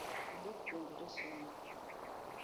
Odok puonjore somo